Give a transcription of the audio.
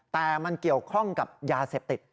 แต่มันเกี่ยวข้องกับยาเสพติด